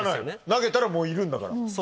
投げたらもういるんだから。